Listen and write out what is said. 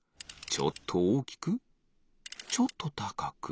ちょっとおおきくちょっとたかく。